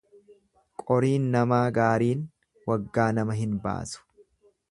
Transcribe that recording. Qoriin namaa gaariin waggaa nama hin baasu.